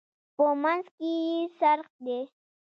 په منځ کې یې څرخ دی.